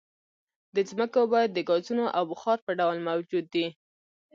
د ځمکې اوبه د ګازونو او بخار په ډول موجود دي